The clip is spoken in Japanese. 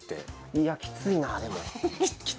いやきついなでも。